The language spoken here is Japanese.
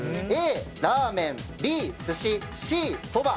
Ａ、ラーメンＢ、寿司Ｃ、そば。